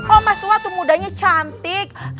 om bas tuh waktu mudanya cantik